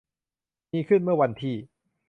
มีขึ้นเมื่อวันที่